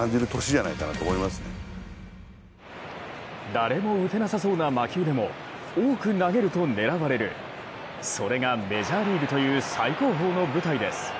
誰も打てなさそうな魔球でも多く投げると狙われる、それがメジャーリーグという最高峰の舞台です。